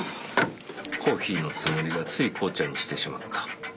コーヒーのつもりがつい紅茶にしてしまった。